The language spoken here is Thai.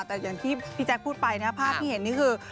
แต่อย่างที่พี่แจ๊คพูดไปนะภาพที่เห็นนี่คือ